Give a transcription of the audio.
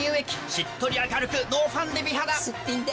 しっとり明るくノーファンデ美肌すっぴんで。